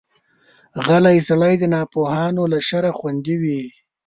غلی سړی، د ناپوهانو له شره خوندي وي.